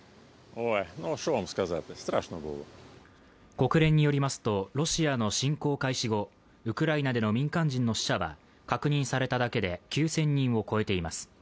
国連によりますとロシアの侵攻開始後、ウクライナでの民間人の死者は確認されただけで９０００人を超えています。